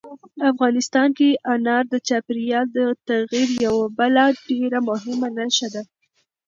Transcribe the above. افغانستان کې انار د چاپېریال د تغیر یوه بله ډېره مهمه نښه ده.